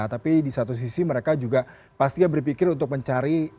tapi di satu sisi mereka juga pastinya berpikir untuk mencari